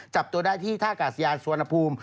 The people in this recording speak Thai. จับตัวได้ที่ท่ากาศยานสุวรรณภูมิ